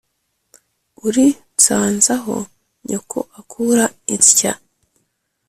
uri nsanze aho nyoko akura insy"a